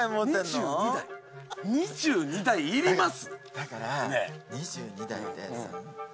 だから２２台で。